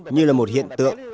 như là một hiện tượng